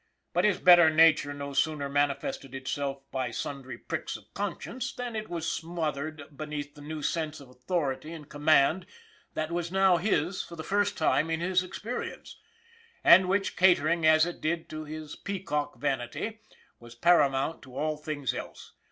But his better nature no sooner mani fested itself by sundry pricks of conscience than it was smothered beneath the new sense of authority and MUNFORD 335 command that was now his for the first time in his experience; and which, catering as it did to his pea cock vanity, was paramount to all things else.